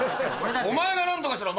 お前が何とかしろ！